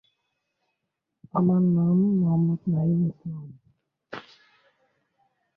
তার প্রকৃত নাম ফাতিমা রশিদ।